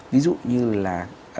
ví dụ như là